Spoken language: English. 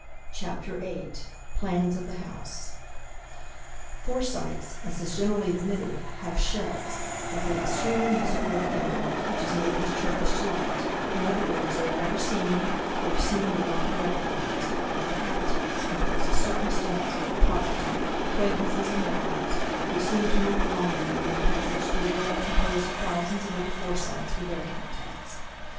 CHAPTER VIII PLANS OF THE HOUSE Forsytes, as is generally admitted, have shells, like that extremely useful little animal which is made into Turkish delight, in other words, they are never seen, or if seen would not be recognised, without habitats, composed of circumstance, property, acquaintances, and wives, which seem to move along with them in their passage through a world composed of thousands of other Forsytes with their habitats.